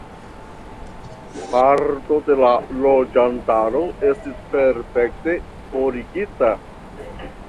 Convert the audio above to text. Parto de la loĝantaro estis perforte forigita.